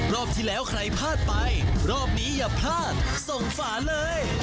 รอบที่แล้วใครพลาดไปรอบนี้อย่าพลาดส่งฝาเลย